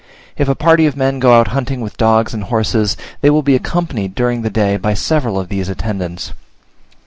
If a party of men go out hunting with dogs and horses, they will be accompanied, during the day, by several of these attendants.